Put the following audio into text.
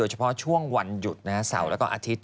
เพราะช่วงวันหยุดนะครับเสาร์แล้วก็อาทิตย์